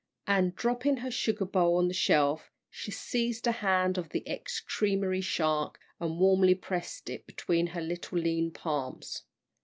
and, dropping her sugar bowl on the shelf, she seized a hand of the ex creamery shark, and warmly pressed it between her little lean palms.